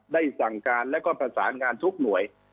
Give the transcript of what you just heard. ได้สั่งการแล้วก็ประสานงานทุกหน่วย